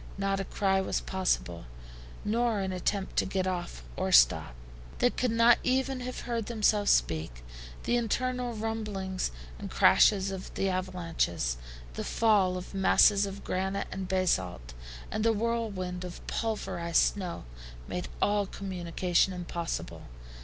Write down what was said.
Not a cry was possible, nor an attempt to get off or stop. They could not even have heard themselves speak. The internal rumblings, the crash of the avalanches, the fall of masses of granite and basalt, and the whirlwind of pulverized snow, made all communication impossible.